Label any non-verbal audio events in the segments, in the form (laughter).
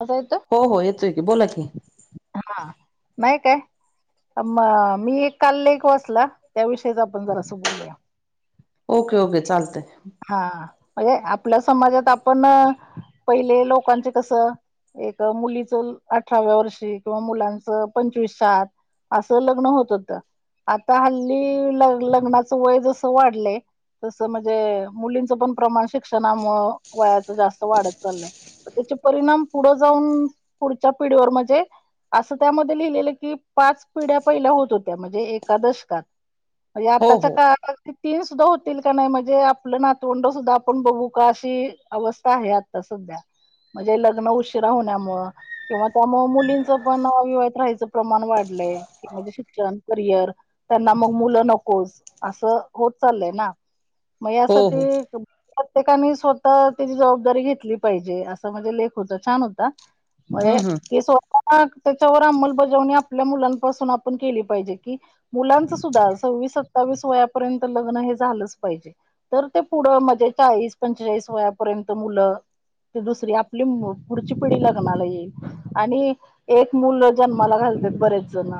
अता (inaudible) हो हो येतोय की बोला की? हा मय काय? मी एक काल लेख वाचला त्याविषयीच आपण जरा असं बोलूया. ओके ओके चालतयं. हा म्हणजे आपल्या समाजात आपण पहिले लोकांचे कसं - एक मुलीचं अठराव्या वर्षी किंवा मुलांचं पंचवीशात. असं लग्न होतं- होतं. आता हल्ली ल लग्नाचं वय जसं वाढलंय तसं म्हणजे- मुलींचं पण प्रमाण शिक्षणामुळं वयाच जास्त वाढत चाललंय. त्याचे परिणाम पुढं जाऊन पुढच्या पिढीवर म्हणजे- असं त्यामध्ये लिहिलेलं की पाच पिढ्या पहिल्या होत होत्या म्हणजे एकादशकात. म्हणजे हो आताच्या हो काळ तीन सुद्धा होतील का नाही म्हणजे - आपलं नातवंड सुद्धा आपण बघू का अशी अवस्था आहे आता सध्या. म्हणजे लग्न उशिरा होण्यामुंळं. किंवा त्यामुळं मुलींच पण विवाहत राहायचं प्रमाण वाढलंय. म्हणजे शिक्षण करियर त्यांना मग मुलं नकोच असं होत चाललय ना. मग हो हो यासाठी. प्रत्येकाने स्वतः त्याची जबाबदारी घेतली पाहिजे असं म्हणजे लेख होत छान होता. हम्म म्हणजे हम्म ते स्वतः. हा त्याच्यावर अंमलबजावणी आपल्या मुलांपासून आपण केली पाहिजे की - मुलांच सुद्धा सव्वीस सत्तावीस वयापर्यंत लग्न हे झालच पाहिजे. तर ते पुढ म्हणजे चाळीस पंचेचाळीस वयापर्यंत मुल. ते दुसरी आपली पुढची पिढी लग्नाला येईल आणि- एक मुलं जन्माला घालतात बरेच जण.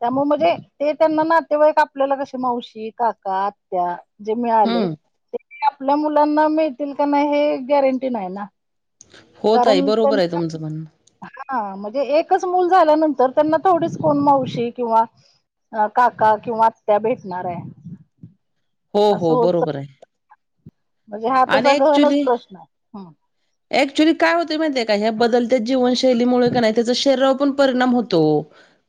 त्यामुळे म्हणजे ते त्यांना नातेवाईक आपल्याला कसे मावशी, काका, आत्या. जे मिळाले. हम्म ते आपल्या मुलांना मिळतील का नाही हे गॅरंटी नाही ना कारण त्यांना - तुझं म्हणणं. हा म्हणजे एकच मूल झाल्यानंतर त्यांना थोडीच कोण मावशी किंवा. अ काका किंवा आत्या भेटणार आहे. हो असं हो होत चाल- बरोबरे. म्हणजे हा तसा गहनच प्रश्न हम्म. ऍक्च्युली काय होते माहितीे काय? या बदलत्या जीवनशैलीमुळे का नाही त्याच शरीराव पन परिणाम होतो.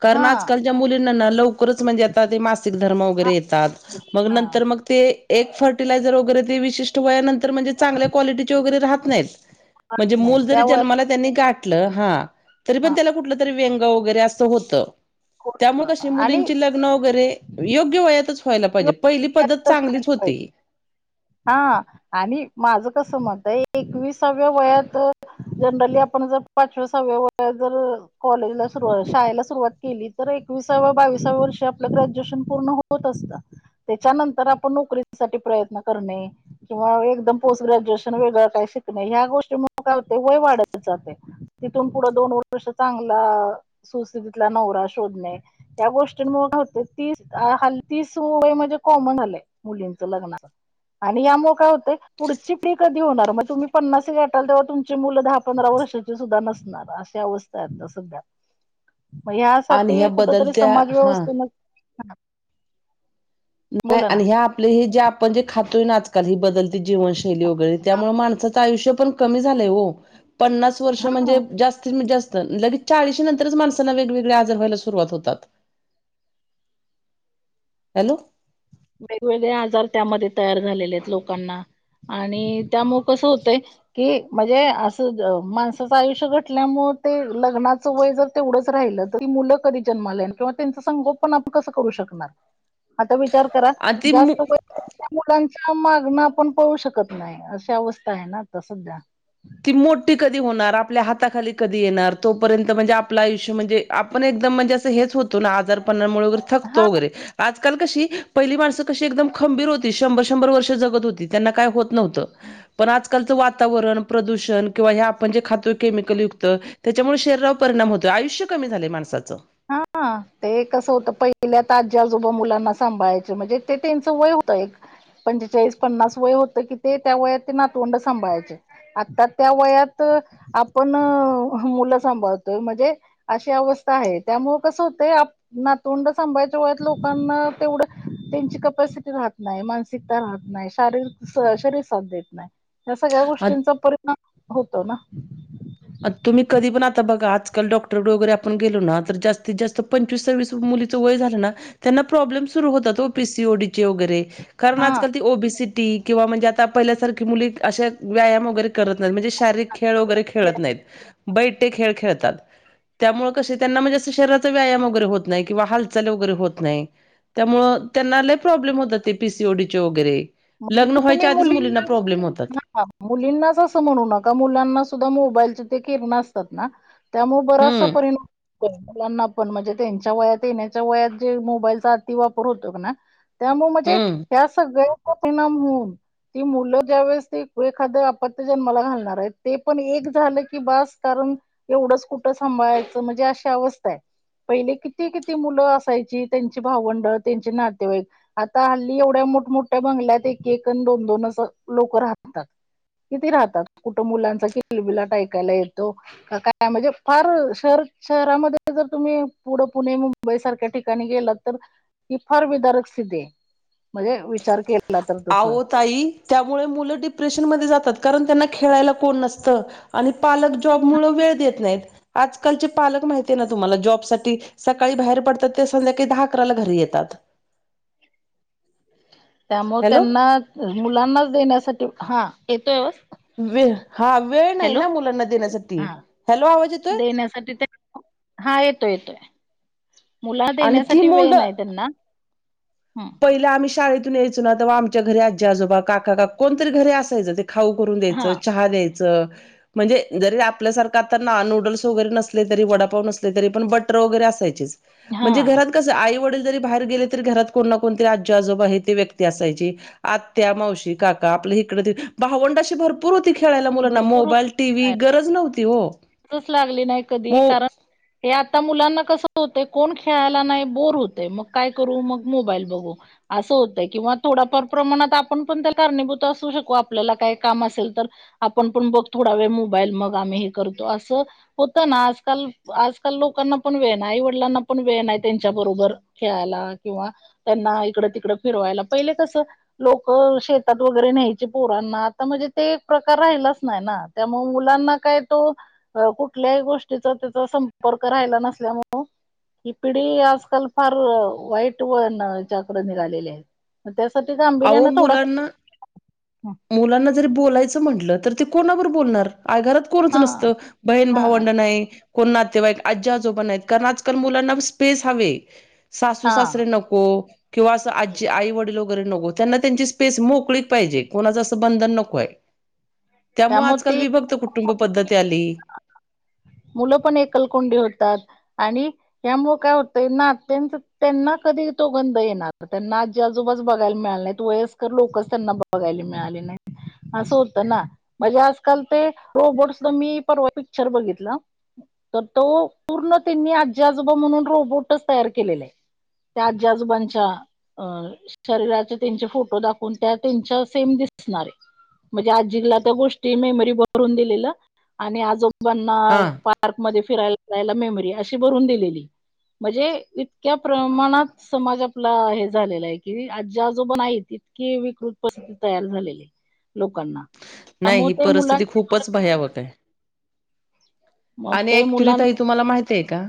कारन हा आजकाल च्या मुलींना ना लवकरच म्हणजे आता ते मांस सीक धर्म हा वगैरे येतात. मग हा, नं मग ते एक फर्टिलायझर वगैरे ते विषिष्ट वया नंतर म्हणजे चागल्या क्वालिटी चे वगैरे राहत नाहीत. म्हणजे राहत नाही मुल जरी त्यामुळे जन्माला त्यांनी घातल. हां. तरी हा पण त्याला कुठल तरी व्यंग वगैरे अस होत. कोण- त्यामुळे कशी आणि मुलींची लग् ग्न वगरे योग्य वयातच व्हाेयला पहिजे. पहिली पद्धत चांगलीच होती. (unintelligible) हा आणि माझ कस मतय? एकविसाव्या वयात जनरली आपण जर पाचव्या सहाव्या वया जर कॉलेजला सुर शाळेला सुरुवात केली. तर एकविसाव बावीसाव्या वर्षी आपल ग्रॅज्युएशन पूर्ण होत असत. त्याच्यानंतर आपण नोकरीसाठी प्रयत्न करणे. किंवा एकदम पोस्ट ग्रॅज्युएशन वेगळ काही शिकणे. ह्या गोष्टी मुळे काय होतय. वय वाढतच जातय. तिथून पुढ दोन वर्ष चांगला, सुस्थितीतला नवरा शोधणे. त्या गोष्टींमुळ काय होतय. तीस हाल तीस लय म्हणजे कॉमन आलय मुलींच लग्नाला. आणि यामुळे काय होतय. पुढची पिढीकधी होणार. मग तुम्ही पन्नास होटाल तेव्हा तुमची मुल दहा पंधरा वर्ष चे सुद्धा नसणार. अशि अवस्थाय आता सध्या. (inaudible) म आणि ह्या यासाठी कुठ तरी बदलत्या समाज हा व्यवस्थेन नाय आणि ह्या आ पले हे जे आपण जे खातोय आजकाल. ही बदलते जीवनशैली वगैरे त्यामुळे, माणसाच आयुष्य पण कमी झालय हो. पन्नास वर्ष हा म्हणजे जास्तीत जास्त. लगेच चाळीशी नंतरच माणसांना वेगवेगळे आजार व्हायला सुरुवात होतात. हॅलो. वेगवेगळे आजार त्यामध्ये तयार झालेलेयेत लोकांना. आणि त्यामुळे कस होतय. कि म्हणजे अस माणसाच आयुष्य घटल्यामुळे ते लग्नाच वय जर तेवढच राहिल त ती मुल कधी जन्माला येणार. किंवा त्यांच संगोपन आपण कस करू शणार. करा आणि ती जास्त वय (inaudible) त्या मुलांच्या मागण आपण पळू शकत नाही अशी अवस्थाय ना आता सध्या. ती मोठी कधी होणार. आपल्या हाताखाली कधी येणार. तोपर्यंत म्हणजे आपल आयुष्य म्हणजे. आपण एकदम म्हणजे अस हेच होतो ना. आजार पणामुळे वगैरे हा थकतो वगैरे. आजकाल कशी, पहिली माणस कशी एकदम खंबीर होती. शंभर शंभर वर्ष जगत होती. त्यांना काय होत नव्हत. पण आजकालच वातावरण, प्रदूषण. किंवा हे आपण जे खातो केमिकल युक्त. त्याच्यामुळे शरीरावर परिणाम होतोय. आयुष्य कमी झालय माणसाच. हां आ. ते कसं होतं. पहिल्यात आज्या आजोबा मुलांना सांभाळायचे. म्हणजे ते त्यांचं वय होतं एक. पंचेचाळीस पन्नास वय होतं की, ते त्या वयात ते नातवंड सांभाळायचे. आता त्या वयात आपण मुलं सांभाळतोय. म्हणजे अशी अवस्था हाये. त्यामुळे कसं होतंय. नातवंड सांभयच्या वयात लोकांना. तेवढं त्यांची कपसिटी राहत नाही. मानस सीकता राहत नाही. शारीरिक शरीर साथ देत नाही. या सगळ्या गोष्टींचा परिणाम होतो ना. आता तुम्ही कधी पण आता बघा आजकाल डॉक्टरकड वगैरे आपण गेलो ना तर जास्तीत जास्त पंचवीस सवीस मुलीच वय झालं ना त्यांना प्रॉब्लेम सुरू होतात हो पिसिओडीचे वगैरे. कारण हा आजकाल ती ओबीसी ती किंवा म्हणजे आता पहिल्यासारखी मुली अशे व्यायाम वगैरे करत नाहीत. म्हणजे शारीरिक खेळ वगैरे खेळत नाहीत, बैठे खेळ खेळतात. त्यामुळ कशे त्यांना म्हणजे असं शरीराचा व्यायाम वगैरे होत नाही किंवा हालचाल वैगेरे होत नाही. त्यामुळं त्यांना लई प्रॉब्लेम होतात ते पीसीओडीचे वगैरे. म्हणजे लग्न तुम्ही व्हायच्या आदीच मुलींना मुलींनाच प्रॉब्लेम होतात. हा मुलींनाच असं म्हणू नका मुलांना सुद्धा मोबाईलचे ते किरणं असतात ना. त्यामुळे बराचसा हं, परिणाम होय मुलांना पण म्हणजे तेंच्या वयात येण्याच्या वयात जे मोबाईलचा अति वापर होतोय काय न्हाय त्यामुळ म्हणजे हं. ह्या सगळ्याचा परिणाम होऊन ती मुलं ज्या वेळेस ते एखाद आपत्य जन्माला घालणार आहेत ते पण एक झालं की बास कारण एवढंच कुठं सांभाळायचं म्हणजे अशी अवस्था हाय. पहिले किती-किती मुलं असायची त्यांची भावंड त्यांची नातेवाईक आता हल्ली एवढ्या मोठमोठ्या बंगल्यात एक-एक आणि दोन-दोन असं लोक राहतात. किती राहतात कुठं मुलांचा किलबिलाट ऐकायला येतो का काय म्हणजे फार शहर शहरामध्ये जर तुम्ही पुढे पुणे, मुंबई बई सारख्या ठिकाणी गेलात तर ही फार विदारक स्थिती हाय. म्हणजे विचार केला तर तसं अहो ताई... त्यामुळे मुलं डिप्रेशनमध्ये जातात कारण त्यांना खेळायला कोण नसतं. आणि पालक जॉब मुळ वेळ देत नाहीत आजकालचे पालक माहितीये ना तुम्हाला जॉबसाठी सकाळी बाहेर पडतात ते संध्याकाळी दहा अकराला घरी येतात. त्यामुळ हॅलो त्यांना मुलांनाच देण्यासाठी, हा येतोय. वेळ हा वेळ नाही हॅलो ना मुलांना देण्यासाठी, हॅलो आवाज येतोय? ण्यासाठी तरी हा येतोय येतोय मुलांना आणि ती देण्यासाठी वेळ नाही त्यांना. हम पहिले आम्ही शाळेतून यायचो ना तवा आमच्या घरी आजी- आजोबा काका-काकु कोणतरी घरी असयचं. खाऊ करून हा द्यायचं, चहा द्यायचं. म्हणजे जरी आपल्यासारखं आता ना नूडल्स वगैरे नसले तरी वडापाव नसले तरी पण बटर वगैरे असायचेच. हा म्हणजे घरात कस आई वडील जरी बाहेर गेले तरी घरात कोण ना कोणतरी आजी-आजोबा ही ती व्यक्ती असायची. आत्या, मावशी, काका आपलं इकडं ती भावंड अशी भर पूर होती खेळायला मुलांना भरपूर मोबाईल, टीव्ही गरज नव्हती हो. लागली नाही कधी कारण हे आता मुलांना कसं होतय कोण खेळायला नाही बोर होतय मग काय करू मग मोबाईल बघू. असं होतय किंवा थोडफार प्रमाणात आपण पण त्याला कारणीभूत असू शकू आपल्याला काय काम असेल तर. आपण पण बघ थोडा वेळ मोबाईल मग आम्ही हे करतो असं होत ना आजकाल आजकाल लोकांना पण वेळ नाही आई वडिलांना पण वेळ नाही त्यांच्या बरोबर खेळायला किंवा त्यांना इकडं तिकडं फिरवायला. पहिले कसं लोक शेतात वगैरे न्यायचे पोरांना आता म्हणजे ते प्र कार राहिलाच नाही ना त्यामुळे मुलांना काय तो अ कुठल्याही गोष्टीचा त्याचा संपर्क राहिला नसल्यामुळ ही पिढी आजकाल फार वाईट वळणच्या कड निघालेली हाय. मग त्यासाठी अहो मुलांना मुलांना जरी बोलायचं म्हणलं तर ते कोणाबर बोलणार आय घरात कोणच हा नसतं बहीण हा भावंड नाही कोण नातेवाईक आज्जी आजोबा नाहीत कारण आजकाल मुलांना स्पेस हवे सासू हा सासरे न को किंवा असं आज्जी आई वडील वगैरे नगोत त्यांना त्यांची स्पेस मोकळीक पाहिजे कोणाचं असं बंधन नकोय. त्यामुळं त्यामुळे आजकाल ती विभक्त कुटुंब पद्धती आली. मुलं पण एकलकोंडी होतात आणि ह्यामुळं काय होतंय नात्यांचं त्यांना कधी तो गंध येणार तर त्यांना आज्जी आजोबाच बघायला मिळाले नाहीत वयस्कर लोकंच त्यांना बघायला मिळाली नाय असं होतं ना म्हणजे आजकाल ते रोबोट्स मी परवा पिक्चर बघितलं तर तो पूर्ण त्यांनी आज्जी आजोबा म्हणून रोबोटच तयार केलेला आहे. त्या आज्जी आजोबांच्या अ शरीराचे त्यांचे फोटो दाखवून त्या त्यांच्या सेम दिसणारे म्हणजे आज्जीला त्या गोष्टी मेमरी भरून दिलेलं आणि आजोबांना हा पार्कमध्ये फिरायला जायला मेमरी अशी भरून दिलेली म्हणजे इतक्या प्रमाणात समाज आपला हे झालेला आहे कि आजी आजोबा नाहीत इतकीे विकृत प तयार झालेली आहे लोकांना नाही ही त्यामुळे ते मुलां परिस्थिती खूपच भयावक आहे. मग आणि ते ऍक्च्युली ताई मुलांना तुम्हाला माहित आहे का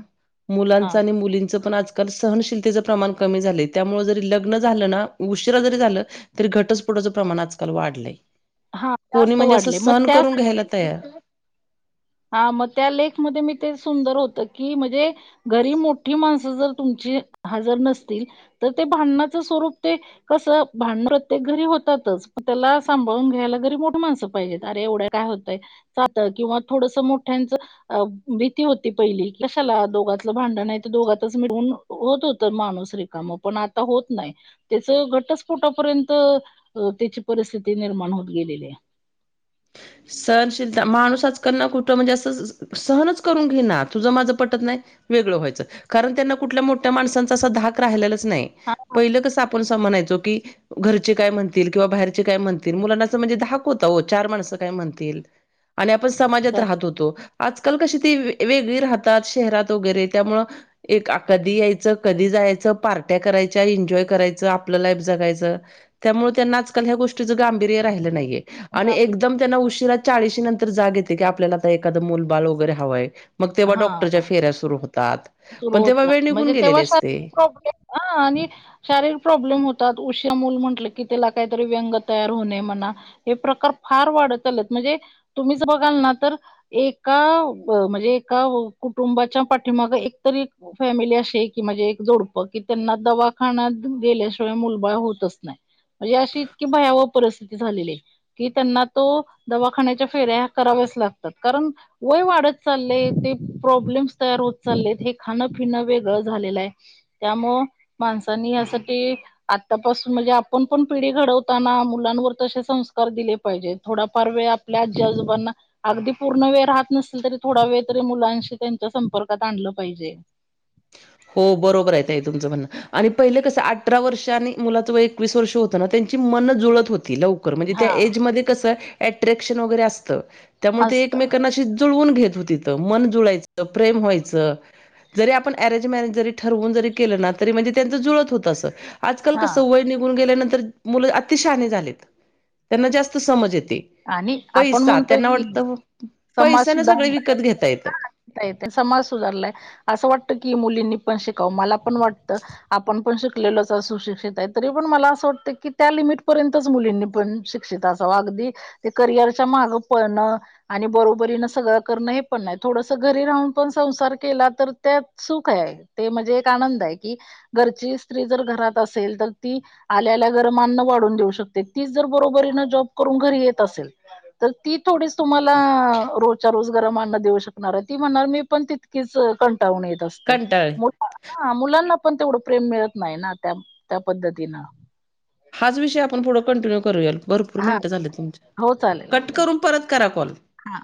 हा मुलांचं आणि मुलींचं पण आज काल सहनशीलतेचं प्रमाण कमी झालंय त्यामुळं जरी लग्न झालं ना उशिरा जरी झालं तरी घटस्फोटाचं प्रमाण आजकाल वाढलंय. हां, कोणी जास्त म्हणजे असं वाढले. मग सहन करून घ्यायला तयार हा म त्या लेख मध्ये मी ते सुंदर होतं की म्हजे घरी मोठी माणसं जर तुमची हजर नसतील तर ते भांडणाच स्वरूप ते कसं भांडण प्रत्येक घरी होतातच त्याला सांभाळून घ्यायला घरी मोठी माणसं पाहिजेत अरे एवढ्या काय होतंय सातं किंवा थोडसं मोठ्यांचं अ भीती होती पहिली कशाला दोघतलं भांडण आहे तर दोघतच मिटवून होत होतं माणूस रिकामं पण आता होत नाही. तेचं घटस्फोटापर्यंत त्याची परिस्थिती निर्माण होत गेलेली आहे. सहनशीलता माणूस आजकाल ना कुठं म्हणजे असं सहनच करून घिना तुझं माझं पटत नाही वेगळं व्हायचं कारण त्यांना कुठल्या मोठ्या माणसांचा असा धाक राहिलेलाच नाही हां, पहिलं कसं आप पण सा म्हणायचो की घरचे काय म्हणतील किंवा बाहेरचे काय म्हणतील मुलांना असं म्हणजे धाक होता ओ चार माणसं काय म्हणतील आणि आपण समाजात तर राहत होतो. आजकाल कशी ती वेगळी राहतात शहरात वगैरे त्यामुळं एक आ कधी यायचं कधी जायाचं पार्ट्या करायच्या एन्जॉय करायचं आपलं लाईफ जगायचं त्यामुळे त्यांना आजकाल ह्या गोष्टीचं गांभीर्य राहिलं नाहीये. आणि गांभीर एकदम त्यांना उशिरा चाळीशी नंतर जाग येते की आपल्याला आता एखादं मुलबाळ वगैरे हवंय. मग तेव्हा हां, डॉक्टरच्या फेऱ्या सुरू होतात. सुरू पण तेव्हा होतात वेळ निघून म्हणजे तेव्हा गेलेली असते शरीरा प्रॉब्लेम हा आणि शारीरिक प्रॉब्लेम होतात उशिरा मूल म्हंटलं की त्याला काहीतरी व्यंग तयार होणे म्हणा हे प्रकार फार वाढत आलेत म्हणजे तुम्हीच बघाल ना तर एका प म्हणजे एका कुटुंबाच्या पाठीमागं एकतरी फॅमिली अशी हाय की म्हणजे एक जोडपं की त्यांना दवाखानात गेल्याशिवाय मुलबाळ होतच नाही. म्हणजे अशी इतकी भयावह परिस्थिती झालेली. कि त्यांना तो दवाखान्याच्या फेऱ्या कराव्याच लागतात कारण वय वाढत चाललेय ते प्रॉब्लेम्स तयार होत चालले हे खाणं, फिणं वेगळं झालेलं आहे, त्यामुळं माणसांनी यासाठी आतापासून म्हणजे आपण पण पिढी घडवताना, मुलांवर तशे संस्कार दिले पाहिजे थोडाफार वेळ आपल्या आजी, आजोबांना अगदी पूर्ण वेळ राहत नसलं तरी थोडा वेळ तरी मुलांशी त्यांच्या संपर्कात आणलं पाहिजे. हो बरोबर आहेे ताई तुमचं म्हणणं. आणि पहिलं कसं अठरा वर्ष आणि मुलाच एकवीस वर्ष होतं ना? त्यांची मनं जुळत होती, लव खरं म्हणजे हा काय ऐज मध्ये कसं अट्रॅक्शन वगैरे असतं. त्यामुळे ते असत एकमेकांना अशी जुळवून घेत होतीत. त मन जुळायच प्रेम व्हायचं, जरी आपण अरेंज, मॅरेज जरी ठरवून जरी केलं ना तरी म्हणजे त्यांच जुळत होत असं आजकाल हा कसं वय निघून गेल्यानंतर मुलं अति शहानी झालेत. त्यांना जास्त समज येते. आणि आपण पैसा. म्हणतोय त्यांना की वाटतं समाज पैसाने सगळे सुधारला विकत घेता येतं. (inaudible) समाज सुधारलाय. असं वाटतं की मुलींनी पण शिकावं. मला पण वाटतं. आपण पण शिकलेलोच, असुशिक्षित आहेत तरी पण मला असं वाटत की, त्या लिमिट पर्यंत मुलींनी पण शि शिक्षित असावं, अगदी ते करिअरच्या माग पळणं आणि बरोबरीनं सगळं करणं हे पण नाही, थोडसंच घरी राहून पण संसार केला तर त्यात सुखःत आहे ते म्हणजे एक आनंद आहे कि, घरची स्त्री जर घरात असेल तर ती आल्या, आल्या गरम अन्न वाढून देऊ शकते, तीच जर बरोबरीनं जॉब करून घरी येत असेल तर ती थोडीचं तुम्हाला आ रोजच्या, रोज गरम आन्न देऊ शकणार आहे, ती म्हणणार मी पण तित किच कंटाळून येत असते. ते कंटाळले मो मुलांना पण तेवढं प्रेम मिळत नाही ना त्या, त्या पद्धतीनं. हाच विषय आपण पुढं कंटिन्यू करूयात भरपूर हा मिनटं झाले तुमचे, हो चालेल कट ठीक करून परत करा कॉल. हा